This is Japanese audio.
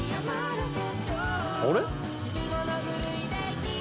あれ？